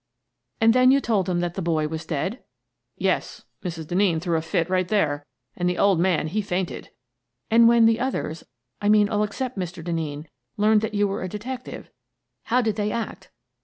"And then you told them that the boy was dead?" Kemp Learns the Truth 101 " Yes. Mrs. Denneen threw a fit right there, and the old man he fainted." " And when the others — I mean all except Mr. Denneen — learned that you were a detective, how did they act?"